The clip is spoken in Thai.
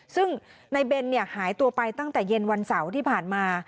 ซึ่งนายเบนหายตัวไปตั้งแต่เย็นวันเสาร์ที่ผ่านมา